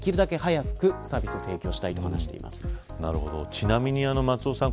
ちなみに松尾さん。